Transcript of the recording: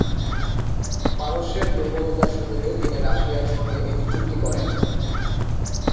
পারস্যের দুর্বলতার সুযোগে তিনি রাশিয়ার সঙ্গে একটি চুক্তি করেন।